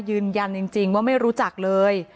ยืนยันจริงว่าไม่รู้จักเลย